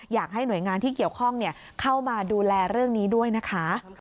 อยากให้หน่วยงานที่เกี่ยวข้องเข้ามาดูแลเรื่องนี้ด้วยนะคะ